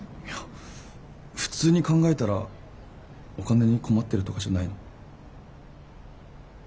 いや普通に考えたらお金に困ってるとかじゃないの？